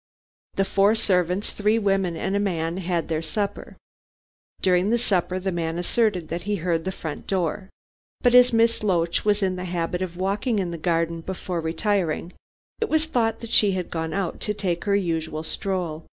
"The four servants, three women and a man, had their supper. During the supper the man asserted that he heard the front door open, but as Miss Loach was in the habit of walking in the garden before retiring, it was thought that she had gone out to take her usual stroll.